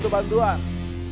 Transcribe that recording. itu bukan orangnya